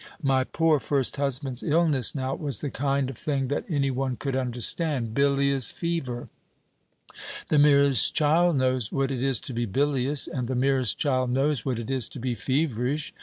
My poor first husband's illness, now, was the kind of thing that any one could understand bilious fever. The merest child knows what it is to be bilious, and the merest child knows what it is to be feverish.